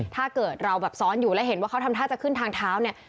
ถ้าเกิดเราแบบซ้อนอยู่แล้วเห็นว่าเขาทำท่าจะขึ้นทางเท้าเนี่ย